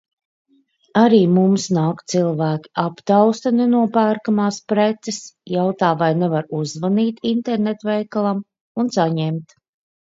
Arī mums nāk cilvēki, aptausta "nenopērkamās" preces, jautā, vai nevar uzzvanīt internetveikalam un saņemt.